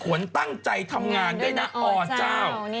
ตั้งใจทำงานด้วยนะอเจ้า